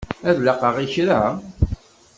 Ad laqeɣ i kra?